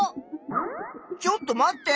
ちょっと待って！